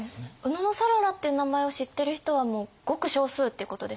野讃良って名前を知ってる人はもうごく少数ってことですか？